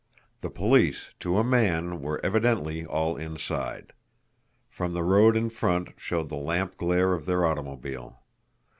The police, to a man, were evidently all inside. From the road in front showed the lamp glare of their automobile.